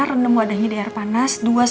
renem wadahnya di air panas